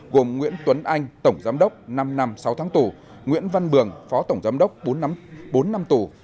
gồm nguyễn tuấn anh tổng giám đốc năm năm sáu tháng tù nguyễn văn bường phó tổng giám đốc bốn năm tù